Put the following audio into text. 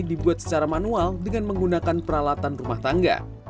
dibuat secara manual dengan menggunakan peralatan rumah tangga